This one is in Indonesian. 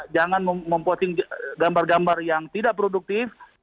jangan memposting gambar gambar yang tidak produktif